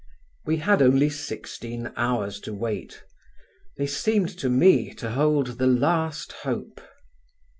We had only sixteen hours to wait; they seemed to me to hold the last hope.